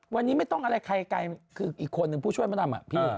วันนี้ไม่ต้องอะไรใครไกลคืออีกคนนึงผู้ช่วยมะดำอ่ะพี่